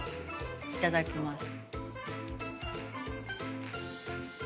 いただきます。